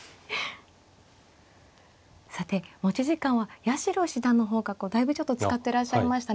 さて持ち時間は八代七段の方がだいぶちょっと使ってらっしゃいましたね。